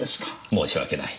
申し訳ない。